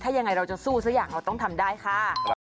ถ้ายังไงเราจะสู้สักอย่างเราต้องทำได้ค่ะ